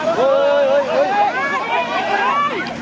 สุดท้าย